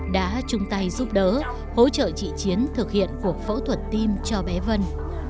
đã chung tay giúp đỡ hỗ trợ chị chiến thực hiện cuộc phẫu thuật tim cho bé vân